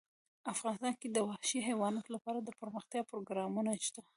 افغانستان کې د وحشي حیواناتو لپاره دپرمختیا پروګرامونه شته.